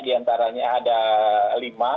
diantaranya ada lima